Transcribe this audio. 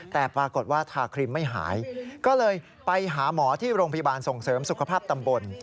แต่ปรากฏว่าทาครีมไม่หายก็เลยไปหาหมอที่โรงพยาบาลส่งเสริมสุขภาพตำบล